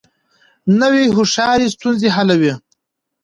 نوې هوښیاري ستونزې حلوي